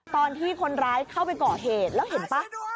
ตอนที่คนร้ายเข้าไปก่อเหตุแล้วเห็นป่ะ